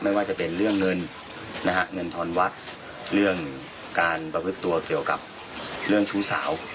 ไม่ว่าจะเป็นเรื่องเงินทอนวัฒน์เรื่องการประพฤติตัวเกี่ยวกับชู้สาว